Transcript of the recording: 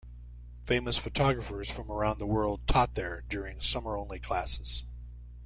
Famous photographers from around the world taught there during summer-only classes.